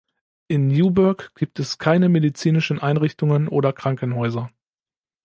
In Newburgh gibt es keine medizinischen Einrichtungen oder Krankenhäuser.